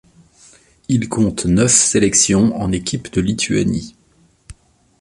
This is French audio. Il compte neuf sélections en équipe de Lituanie.